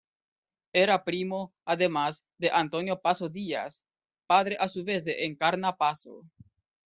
Era primo, además, de Antonio Paso Díaz, padre a su vez de Encarna Paso.